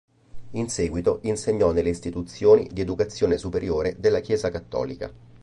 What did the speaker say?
In seguito insegnò nelle istituzioni di educazione superiore della Chiesa cattolica.